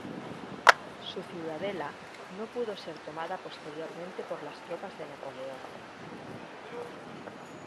Su ciudadela no pudo ser tomada posteriormente por las tropas de Napoleón.